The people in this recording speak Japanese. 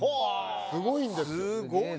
すごいんですよ。